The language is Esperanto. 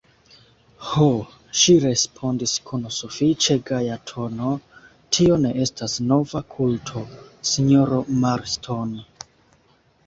Ho, ŝi respondis kun sufiĉe gaja tono, tio ne estas nova kulto, sinjoro Marston.